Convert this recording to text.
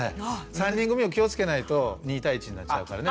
３人組は気をつけないと２対１になっちゃうからね。